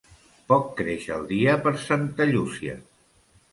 Poc creix el dia per Santa Llúcia.